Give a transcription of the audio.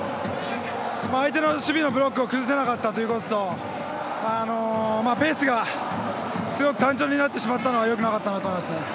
相手の守備のブロックを崩せなかったということとペースがすごく単調になってしまったのがよくなかったなと思いますね。